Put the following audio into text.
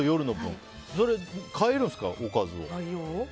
それ、変えるんですかおかずを。